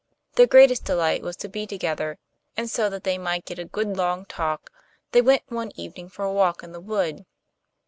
Their greatest delight was to be together, and so that they might get a good long talk, they went one evening for a walk in the wood.